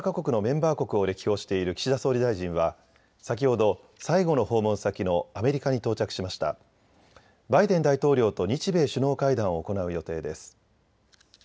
バイデン大統領と日米首脳会談を行う予定です。